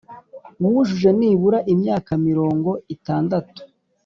wujuje nibura imyaka mirongo itandatu